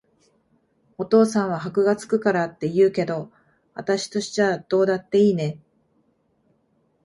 お父さんは箔が付くからって言うけど、あたしとしちゃどうだっていいね。